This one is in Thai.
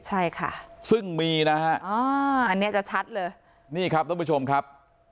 ใช่ค่ะซึ่งมีนะฮะอ๋ออันนี้จะชัดเลยนี่ครับท่านผู้ชมครับ